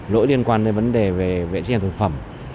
lỗi liên quan đến vấn đề về vệ sinh thực phẩm